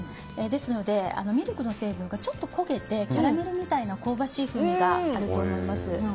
ですので、ミルクの成分がちょっと焦げてキャラメルみたいな香ばしい風味があると思います。